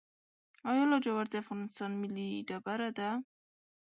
آیا لاجورد د افغانستان ملي ډبره ده؟